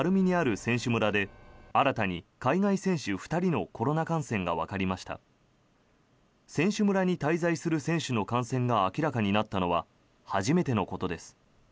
選手村に滞在する選手の感染が明らかになったのは初めてのことです。